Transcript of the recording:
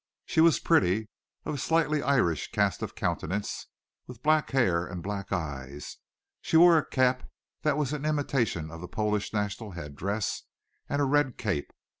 She was pretty, of a slightly Irish cast of countenance, with black hair and black eyes. She wore a cap that was an imitation of the Polish national head dress, and a red cape.